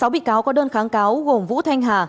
sáu bị cáo có đơn kháng cáo gồm vũ thanh hà